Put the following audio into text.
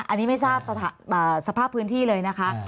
อันนี้ไม่ทราบสภาพพื้นที่เลยนะคะ